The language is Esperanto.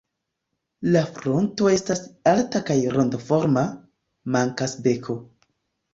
La fronto estas alta kaj rondoforma; mankas beko.